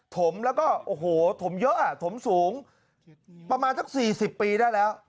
ถมแล้วก็โอ้โหถมเยอะอ่ะถมสูงประมาณสัก๔๐ปีได้แล้ว